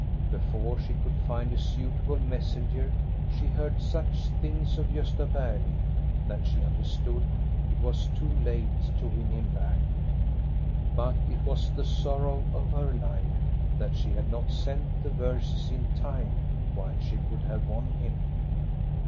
Before she could find a suitable messenger she heard such things of Gosta Berling that she understood it was too late to win him back. But it was the sorrow of her life that she had not sent the verses in time, while she could have won him.